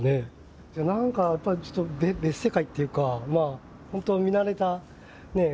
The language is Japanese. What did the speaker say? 何かやっぱりちょっと別世界というかまあほんと見慣れたね